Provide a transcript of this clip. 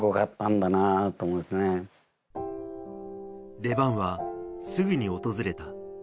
出番はすぐに訪れた。